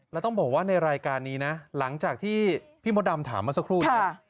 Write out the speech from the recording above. แล้วต้องบอกว่าในรายการนี้นะหลังจากที่พี่มดดำถามมาสักครู่นี้